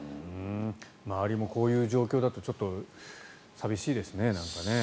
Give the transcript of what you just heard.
周りもこういう状況だと寂しいですね。